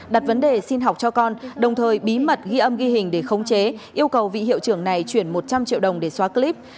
đặt vấn đề xin học cho con đồng thời bí mật ghi âm ghi hình để khống chế yêu cầu vị hiệu trưởng này chuyển một trăm linh triệu đồng để xóa clip